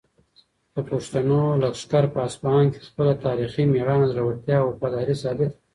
د پښتنو لښکر په اصفهان کې خپله تاریخي مېړانه، زړورتیا او وفاداري ثابته کړه.